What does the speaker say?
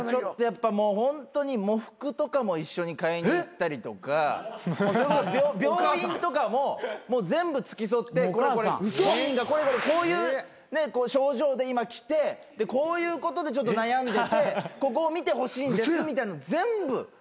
ホントに喪服とかも一緒に買いに行ったりとかそれこそ病院とかも全部付き添って本人がこういう症状で今来てこういうことで悩んでてここを見てほしいんですみたいの全部。